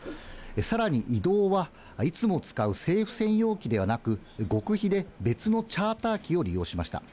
さらに移動はいつも使う政府専用機ではなく、極秘で別のチャーター機を利用しました。